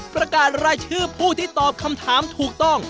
ประกาศรายชื่อผู้ที่ตอบคำถามถูกต้อง